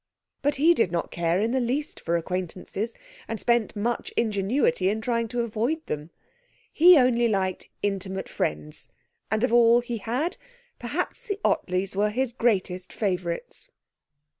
But he did not care in the least for acquaintances, and spent much ingenuity in trying to avoid them; he only liked intimate friends, and of all he had perhaps the Ottleys were his greatest favourites.